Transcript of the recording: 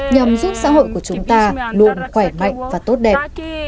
nhằm giúp xã hội của chúng ta luôn khỏe mạnh và tốt đẹp